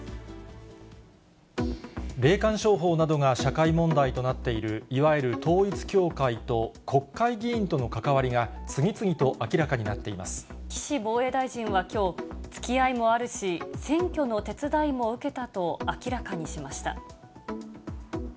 霊感商法などが社会問題となっている、いわゆる統一教会と国会議員との関わりが、次々と明ら岸防衛大臣はきょう、つきあいもあるし、選挙の手伝いも受けたと明らかにしました。